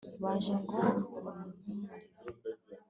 baje ngo bamuhumurize